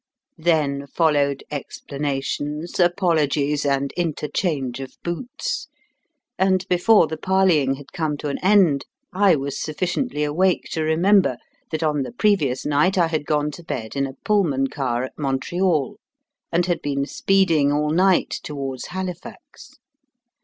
Then followed explanations, apologies, and interchange of boots; and before the parleying had come to an end I was sufficiently awake to remember that on the previous night I had gone to bed in a Pullman car at Montreal, and had been speeding all night towards Halifax.